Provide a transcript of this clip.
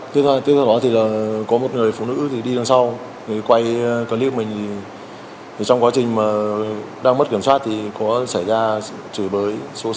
tiếp theo đó thì có một người phụ nữ đi đằng sau quay clip mình thì trong quá trình đang mất kiểm soát thì có xảy ra chửi bới xô xát